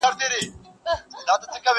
او ابۍ به دي له کوم رنځه کړیږي،!